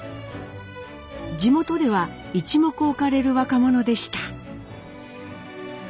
地元では一目置かれる若者でした。